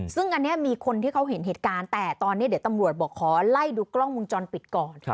ซึ่งอันนี้มีคนที่เขาเห็นเหตุการณ์แต่ตอนนี้เดี๋ยวตำรวจบอกขอไล่ดูกล้องมุมจรปิดก่อน